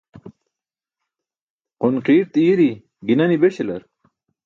Qonqirt i̇i̇ri, gi̇nani̇ beśalar?